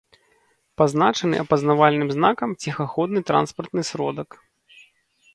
Пазначаны апазнавальным знакам “Ціхаходны транспартны сродак”